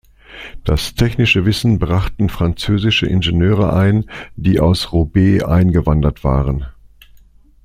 Das technische Wissen brachten französische Ingenieure ein, die aus Roubaix eingewandert waren.